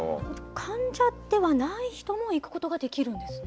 患者ではない人も行くことができるんですね。